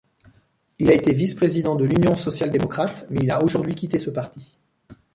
Il a été vice-président de l'Union sociale-démocrate, mais il a aujourd'hui quitté ce parti.